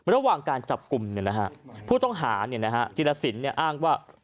ระหว่างการจับกลุ่มผู้ต้องหาจิลสินอ้างว่า